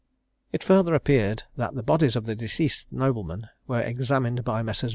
It further appeared that the bodies of the deceased noblemen were examined by Messrs.